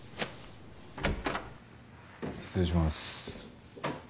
失礼します。